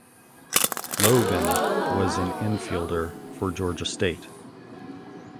Logan was an infielder for Georgia State.